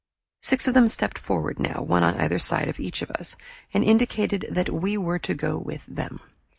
Six of them stepped forward now, one on either side of each of us, and indicated that we were to go with them.